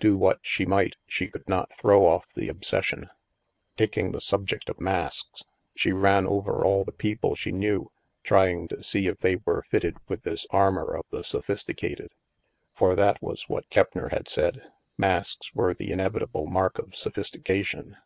Do what she might, she could not throw off the obsession. Taking the subject of masks, she ran over all the people she knew, trying to see if they were fitted with this armor of the sophisticated. For that was what Keppner had said : masks were the inevitable mark of sophistication.